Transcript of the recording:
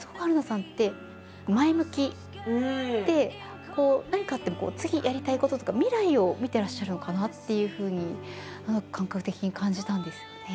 だから何かあっても次やりたいこととか未来を見てらっしゃるのかなっていうふうに感覚的に感じたんですよね。